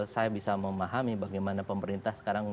saya bisa memahami bagaimana pemerintah sekarang